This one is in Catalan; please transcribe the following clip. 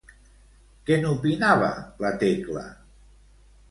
Què n'opinava la Tecla?